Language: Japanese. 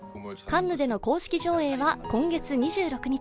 カンヌでの公式上映は今月２６日。